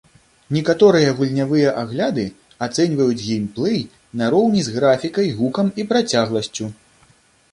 Некаторыя гульнявыя агляды ацэньваюць геймплэй нароўні з графікай, гукам і працягласцю.